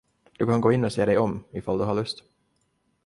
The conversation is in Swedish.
Du kan gå in och se dig om, ifall du har lust.